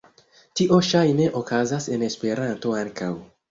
Tio ŝajne okazas en Esperanto ankaŭ.